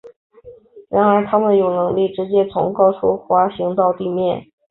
然而它们有能力直接从高处滑行到地面。